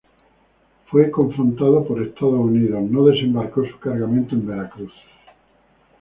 Fue confrontado por Estados Unidos; no desembarcó su cargamento en Veracruz.